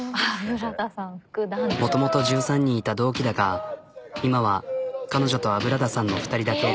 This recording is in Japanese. もともと１３人いた同期だが今は彼女と油田さんの２人だけ。